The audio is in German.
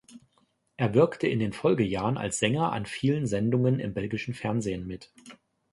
Er wirkte in den Folgejahren als Sänger an vielen Sendungen im belgischen Fernsehen mit.